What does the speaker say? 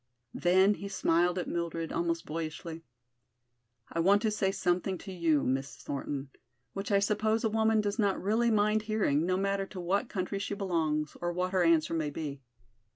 Then he smiled at Mildred almost boyishly. "I want to say something to you, Miss Thornton, which I suppose a woman does not really mind hearing, no matter to what country she belongs or what her answer may be.